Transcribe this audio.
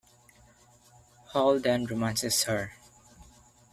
Hall then romances her.